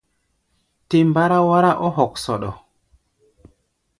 Tɛ mbáráwárá ɔ́ hoksoɗo.